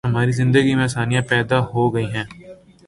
ہماری زندگی میں آسانیاں پیدا ہو گئی ہیں۔